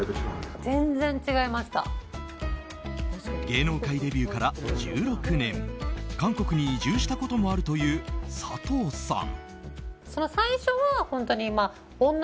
芸能界デビューから１６年韓国に移住したこともあるという佐藤さん。